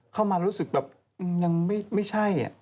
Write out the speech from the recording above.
เข้ามารู้สึกแบบยังไม่ใช่